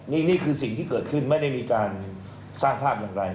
นี่คือสิ่งที่เกิดขึ้นไม่ได้มีการสร้างภาพอย่างไร